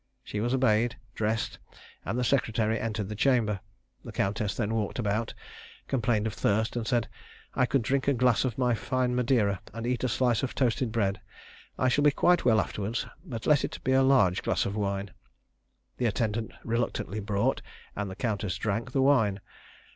She was obeyed, dressed, and the secretary entered the chamber. The countess then walked about, complained of thirst, and said, "I could drink a glass of my fine Madeira, and eat a slice of toasted bread. I shall be quite well afterwards; but let it be a large glass of wine." The attendant reluctantly brought, and the countess drank the wine.